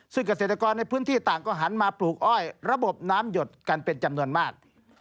ซึ่งเกษตรกรในพื้นที่ต่างก็หันมาปลูกอ้อยระบบน้ำหยดกันเป็นจำนวนมาก